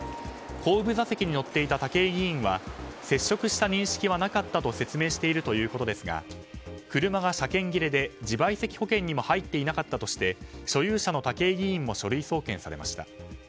後部座席に乗っていた武井議員は接触した認識はなかったと説明しているということですが車が車検切れで自賠責保険にも入っていなかったとして所有者の武井議員も書類送検されました。